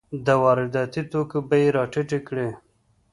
د وارداتي توکو بیې یې راټیټې کړې.